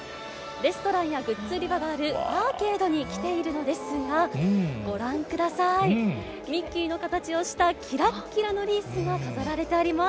レストランやグッズ売り場があるアーケードに来ているのですが、ご覧ください、ミッキーの形をした、きらっきらのリースが飾られております。